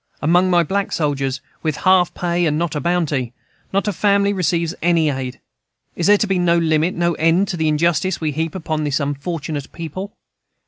Among my black soldiers, with half pay and no bounty, not a family receives any aid. Is there to be no limit, no end to the injustice we heap upon this unfortunate people?